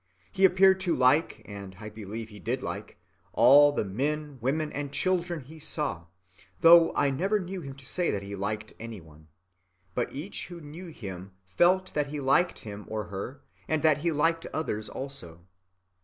He appeared to like (and I believe he did like) all the men, women, and children he saw (though I never knew him to say that he liked any one), but each who knew him felt that he liked him or her, and that he liked others also.